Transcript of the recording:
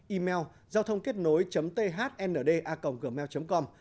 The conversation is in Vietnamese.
email giao thôngkếtnối thnda gmail com